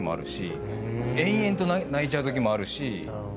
延々と泣いちゃうときもあるし。